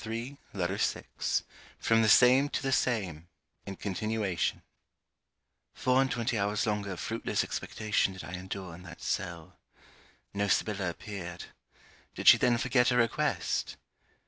MURDEN LETTER VI FROM THE SAME TO THE SAME In continuation Four and twenty hours longer of fruitless expectation did I endure in that cell. No Sibella appeared. Did she then forget her request?